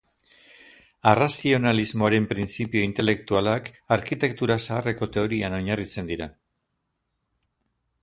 Arrazionalismoaren printzipio intelektualak, arkitektura zaharreko teorian oinarritzen dira.